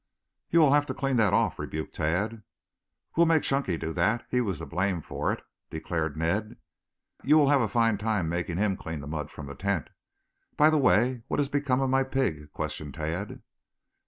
"You will have to clean that off," rebuked Tad. "We will make Chunky do that. He was to blame for it," declared Ned. "You will have a fine time making him clean the mud from the tent. By the way, what has become of my pig?" questioned Tad.